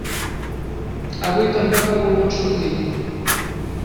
Avui tampoc ha volgut sortir.